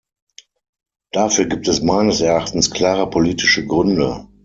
Dafür gibt es meines Erachtens klare politische Gründe.